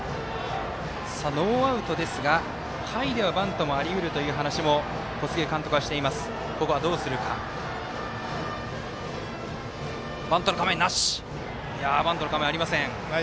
ノーアウトですが、下位ではバントもありうるという話を小菅監督はしていますがバントの構えありません。